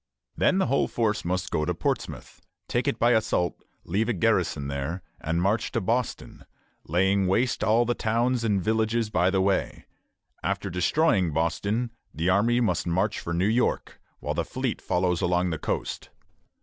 Then the whole force must go to Portsmouth, take it by assault, leave a garrison there, and march to Boston, laying waste all the towns and villages by the way; after destroying Boston, the army must march for New York, while the fleet follows along the coast.